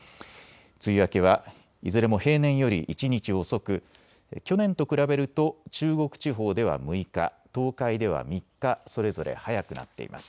梅雨明けはいずれも平年より一日遅く去年と比べると中国地方では６日、東海では３日、それぞれ早くなっています。